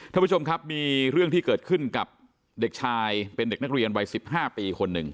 ท่านผู้ชมครับมีเรื่องที่เกิดขึ้นกับเด็กชายเป็นเด็กนักเรียนวัย๑๕ปีคนหนึ่ง